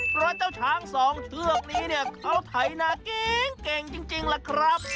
เพราะเจ้าช้างสองเชือกนี้เนี่ยเขาไถนาเก่งจริงล่ะครับ